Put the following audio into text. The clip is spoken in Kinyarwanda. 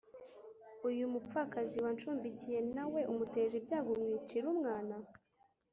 Uyu mupfakazi wancumbikiye na we umuteje ibyago, umwicira umwana?”